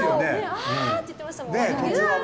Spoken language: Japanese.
あー！って言ってましたもんね。